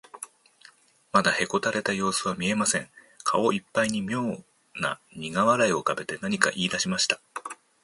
まだへこたれたようすは見えません。顔いっぱいにみょうなにが笑いをうかべて、何かいいだしました。